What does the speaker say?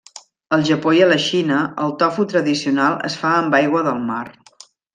Al Japó i a la Xina, el tofu tradicional es fa amb aigua del mar.